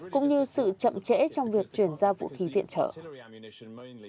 cũng như sự chậm trễ trong việc truyền ra vũ khí viện trợ